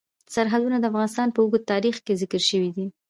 سرحدونه د افغانستان په اوږده تاریخ کې ذکر شوی دی.